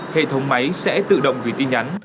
hệ thống máy sẽ tự động gửi tin nhắn